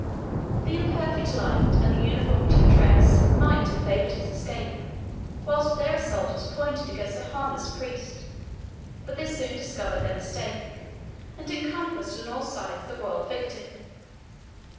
The imperfect light, and the uniformity of dress, might have favored his escape, whilst their assault was pointed against a harmless priest; but they soon discovered their mistake, and encompassed on all sides the royal victim.